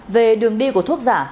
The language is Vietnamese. về đường đi của thuốc giả